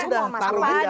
ya udah taruh aja